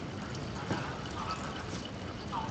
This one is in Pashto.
که اټکل دقیق وي تاوان نه رامنځته کیږي.